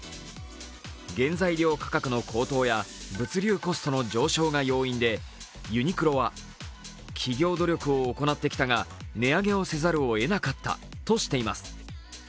原材料価格の高騰や物流コストの上昇が要因でユニクロは、企業努力を行ってきたが値上げをせざるをえなかったとしています。